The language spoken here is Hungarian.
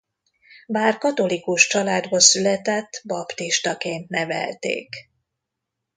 Bár katolikus családba született baptistaként nevelték.